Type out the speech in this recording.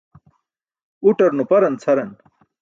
Uṭar nuparan cʰaran.